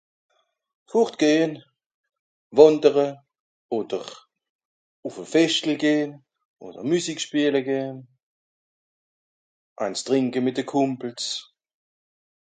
Fùrt gehn, wàndere, odder, ùff e Feschtel gehn, odder Müsik spiele gehn, eins trìnke mìt de Kùmpels.